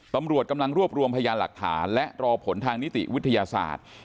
ตำรวจกำลังรวบรวมพยานหลักฐานและรอผลทางนิติวิทยาศาสตร์